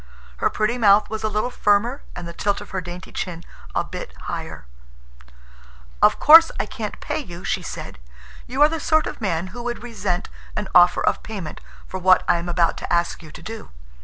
Her pretty mouth was a little firmer and the tilt of her dainty chin a bit higher. "Of course, I can't pay you," she said. "You are the sort of man who would resent an offer of payment for what I am about to ask you to do.